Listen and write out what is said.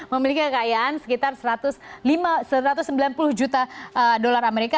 memiliki kekayaan sekitar satu ratus sembilan puluh juta dolar amerika